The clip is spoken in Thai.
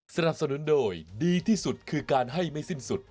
สนับสนุนโดยดีที่สุดคือการให้ไม่สิ้นสุด